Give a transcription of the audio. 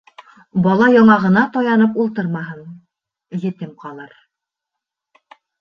Бала яңағына таянып ултырмаһын: етем ҡалыр.